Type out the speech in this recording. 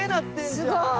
すごーい！